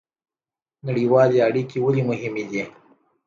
نړیوالې اړیکې ولې مهمې دي؟